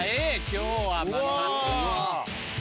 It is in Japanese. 今日はまた。